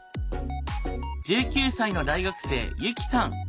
１９歳の大学生ユキさん。